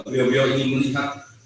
bio bio ini menilai